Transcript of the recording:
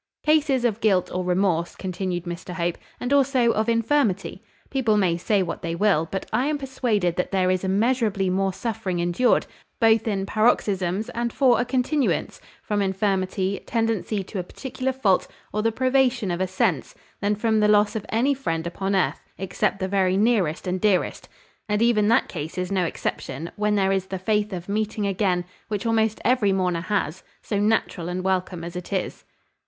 "Cases of guilt or remorse," continued Mr Hope, "and also of infirmity. People may say what they will, but I am persuaded that there is immeasurably more suffering endured, both in paroxysms and for a continuance, from infirmity, tendency to a particular fault, or the privation of a sense, than from the loss of any friend upon earth, except the very nearest and dearest; and even that case is no exception, when there is the faith of meeting again, which almost every mourner has, so natural and welcome as it is."